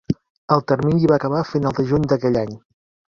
El termini va acabar a final de juny d'aquell any.